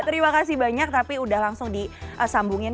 terima kasih banyak tapi udah langsung disambungin